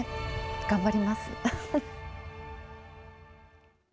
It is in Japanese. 頑張ります。